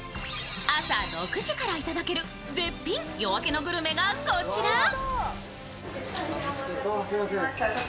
朝６時から頂ける絶品夜明けのグルメがこちら。